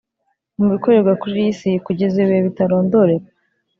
mu bikorerwa kuri iyi si kugeza ibihe bitarondoreka.